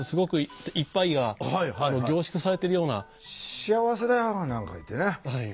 幸せだよなんか言ってね。